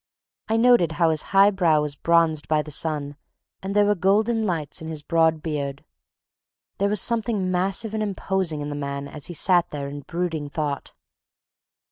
I noted how his high brow was bronzed by the sun and there were golden lights in his broad beard. There was something massive and imposing in the man as he sat there in brooding thought.